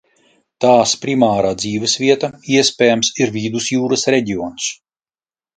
Tās primārā dzīvesvieta, iespējams, ir Vidusjūras reģions.